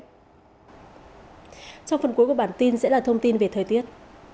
trong phần cuối của bản tin sẽ là thông tin về thời tiết